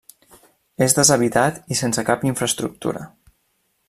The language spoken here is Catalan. És deshabitat i sense cap infraestructura.